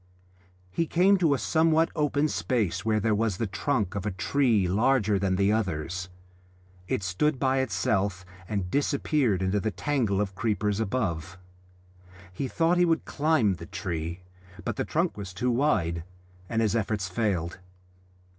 He came to a somewhat open space where there was the trunk of a tree larger than the others; it stood by itself and disappeared into the tangle of creepers above. He thought he would climb the tree, but the trunk was too wide, and his efforts failed.